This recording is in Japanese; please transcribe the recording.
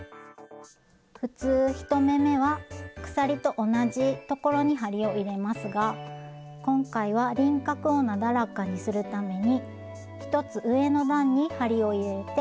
普通１目めは鎖と同じところに針を入れますが今回は輪郭をなだらかにするために１つ上の段に針を入れて糸をかけて引き出します。